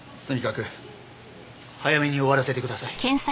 とにかく早めに終わらせてください。